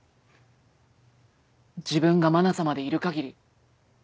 自分がまな様でいるかぎり